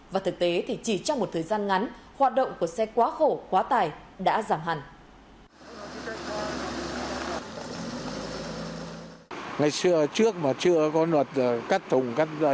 và thực tế thì chỉ trong một thời gian ngắn hoạt động của xe quá khổ quá tải đã giảm hẳn